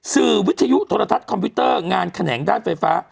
วิทยุโทรทัศน์คอมพิวเตอร์งานแขนงด้านไฟฟ้า